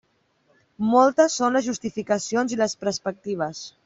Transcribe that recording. Moltes són les justificacions i les perspectives.